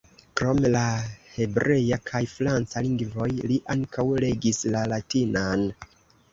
Krom la hebrea kaj franca lingvoj li ankaŭ regis la latinan.